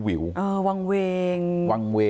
วางเววง